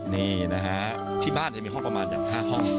นี่นะฮะที่บ้านจะมีห้องประมาณ๕ห้อง